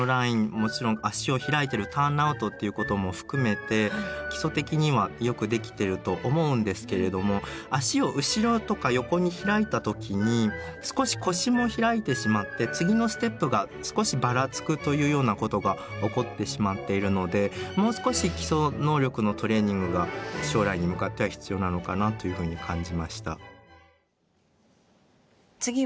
もちろん足を開いてる「ターンアウト」っていうことも含めて基礎的にはよくできてると思うんですけれども足を後ろとか横に開いた時に少し腰も開いてしまって次のステップが少しばらつくというようなことが起こってしまっているのでもう少し基礎能力のトレーニングが将来に向かっては必要なのかなというふうに感じました。